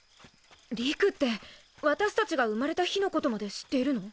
理玖って私達が生まれた日のことまで知っているの？